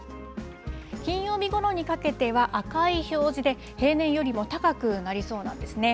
金曜日ごろにかけては赤い表示で、平年よりも高くなりそうなんですね。